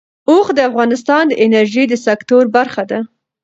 اوښ د افغانستان د انرژۍ د سکتور برخه ده.